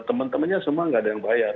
teman temannya semua nggak ada yang bayar